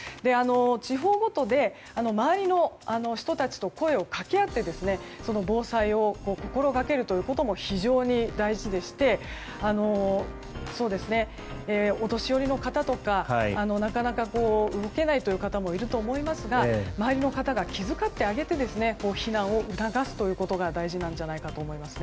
地方ごとで周りの人たちと声を掛け合って防災を心がけることも非常に大事でしてお年寄りの方とかなかなか動けないという方もいると思いますが周りの方が気遣ってあげて避難を促すということが大事なんじゃないかと思います。